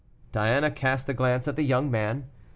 Diana cast a glance at the young man.